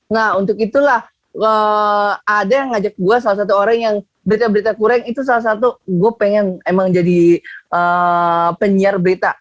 nah untuk itulah ada yang ngajak gue salah satu orang yang berita berita kurang itu salah satu gue pengen emang jadi penyiar berita